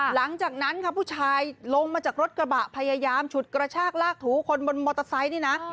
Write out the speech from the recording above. หลังจากนั้นค่ะผู้ชายลงมาจากรถกระบะพยายามฉุดกระชากลากถูคนบนมอเตอร์ไซค์นี่นะ